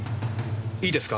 いいですか？